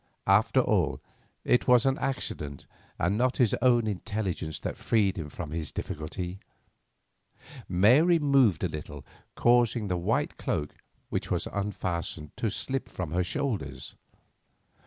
After all, it was an accident and not his own intelligence that freed him from his difficulty. Mary moved a little, causing the white cloak, which was unfastened, to slip from her shoulders.